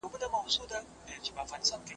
¬ د خوشالۍ ياران ډېر وي.